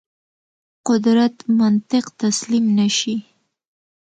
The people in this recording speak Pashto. قدرت منطق تسلیم نه شي.